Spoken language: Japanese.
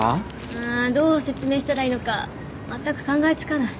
あどう説明したらいいのかまったく考え付かない。